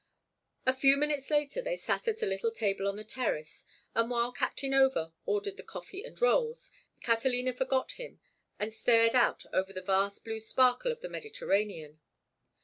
A few minutes later they sat at a little table on the terrace, and while Captain Over ordered the coffee and rolls Catalina forgot him and stared out over the vast blue sparkle of the Mediterranean.